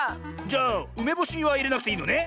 じゃあうめぼしはいれなくていいのね？